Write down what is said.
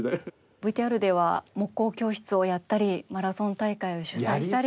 ＶＴＲでは木工教室をやったりマラソン大会を主催したり。